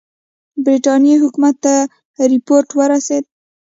د برټانیې حکومت ته رپوټ ورسېد.